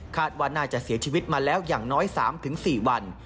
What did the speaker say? ว่าน่าจะเสียชีวิตมาแล้วอย่างน้อย๓๔วัน